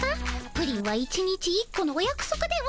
プリンは一日１このおやくそくでは？